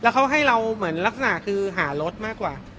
แล้วเขาให้เรามีลักษณะคือหารถมากกว่า